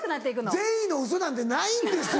善意のウソなんてないんですよ！